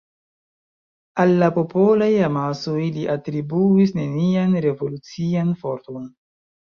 Al la popolaj amasoj li atribuis nenian revolucian forton.